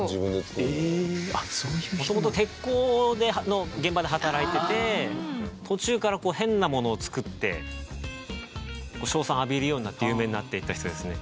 元々鉄工の現場で働いていて途中からこう変なものを作って称賛を浴びるようになって有名になっていった人ですね。